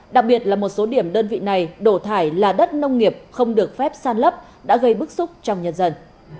đặc biệt là một số điểm đơn vị này đổ thải là đất nông nghiệp không được phép san lấp đã gây bức xúc trong nhân dân